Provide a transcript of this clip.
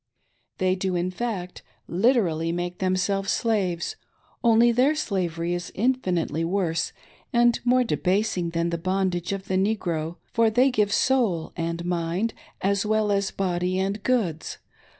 They do, in fact, literally make themselves slaves, only their slavery is infinitely worse and more debasing than the bondage of the Negro, for they give soul and rnind, as well as body and goods.